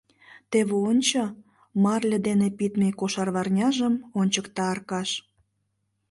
— Теве ончо, — марле дене пидме кошарварняжым ончыкта Аркаш.